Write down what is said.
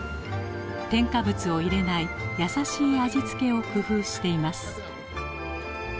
添加物を入れない優しい味付けを工夫しています。